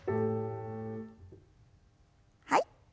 はい。